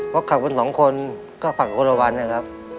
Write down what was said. พอขับเป็นสองคนก็ฝากกับคนอื่นครับ